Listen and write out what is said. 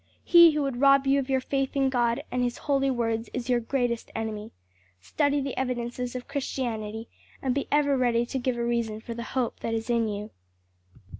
He who would rob you of your faith in God and His holy word is your greatest enemy. Study the evidences of Christianity and be ever ready to give a reason for the hope that is in you."